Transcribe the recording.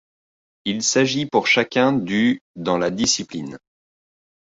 Il s'agit pour chacun du dans la discipline.